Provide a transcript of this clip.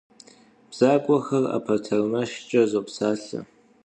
Бзагуэхэр ӏэпэтэрмэшкӏэ зопсалъэ.